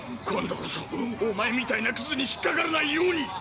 今度こそおまえみたいなクズに引っかからないように！